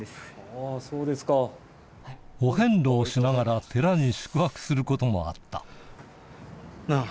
お遍路をしながら寺に宿泊することもあったなぁ？